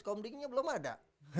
komdingnya belum ada